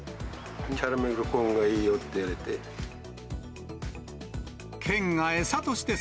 キャラメルコーンがいいよって言われて。